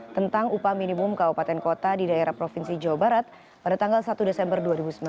tentang upah minimum kabupaten kota di daerah provinsi jawa barat pada tanggal satu desember dua ribu sembilan belas